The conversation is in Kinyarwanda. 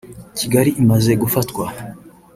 Kigali imaze gufatwa